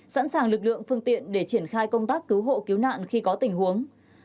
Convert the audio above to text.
sẵn sàng lực lượng phương tiện để triển khai công tác cứu hộ cứu nạn khi có tình huống